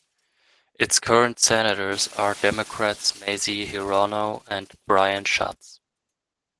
Its current senators are Democrats Mazie Hirono and Brian Schatz.